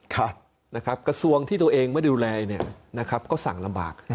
กระทรวงที่ตัวเองไม่ดูแลก็สั่งลำบาก